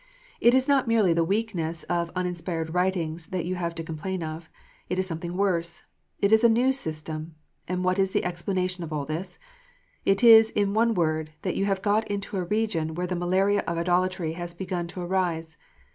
It is not merely the weakness of uninspired writings that you have to complain of ; it is something worse : it is a new system. And what is the explanation of all this 1 It is, in one word, that you have got into a region where the malaria of idolatry has begun to arise.